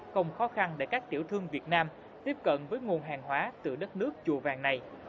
không khó khăn để các tiểu thương việt nam tiếp cận với nguồn hàng hóa từ đất nước chùa vàng này